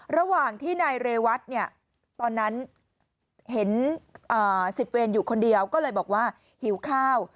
ระหว่างที่นายเรวัตเนี่ยตอนนั้นเห็น๑๐เวรอยู่คนเดียวก็เลยบอกว่าหิวข้าว